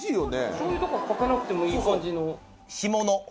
しょうゆとかかけなくてもいい感じの。